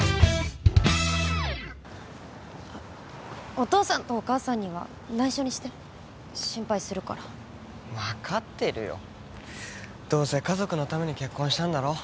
お父さんとお母さんには内緒にして心配するから分かってるよどうせ家族のために結婚したんだろ？